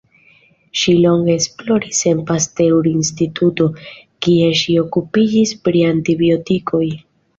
Ŝi longe esploris en Pasteur Instituto, kie ŝi okupiĝis pri antibiotikoj.